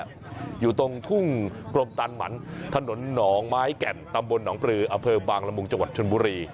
อยู่ตรงทุ่งกรมตันหมันถนนหนองไม้แก่นตำบลหนองปลืออำเภอบางละมุงจังหวัดชนบุรี